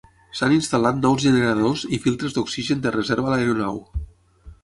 S'han instal·lat nous generadors i filtres d'oxigen de reserva a l'aeronau.